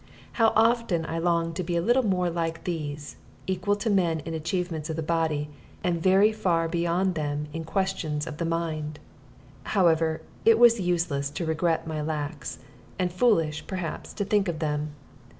How often I longed to be a little more like these, equal to men in achievements of the body, and very far beyond them in questions of the mind! However, it was useless to regret my lacks, and foolish, perhaps, to think of them.